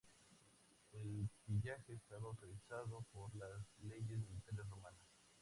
El pillaje estaba autorizado por las leyes militares romanas.